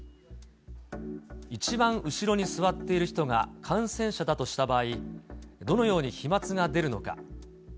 一番後ろに座っている人が感染者だとした場合、どのように飛まつが出るのか。